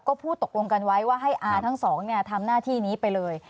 ก็พูดตกลงกันไว้ว่าให้อาทั้งสองทำหน้าที่นี้ไปเลย